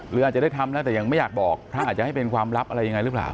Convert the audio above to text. หรืออาจจะได้ทำแล้วแต่ยังไม่อยากบอกพระอาจจะให้เป็นความลับอะไรยังไงหรือเปล่า